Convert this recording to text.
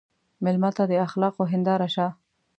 مېلمه ته د اخلاقو هنداره شه.